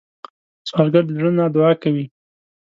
سوالګر د زړه نه دعا کوي